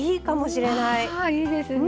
あいいですね。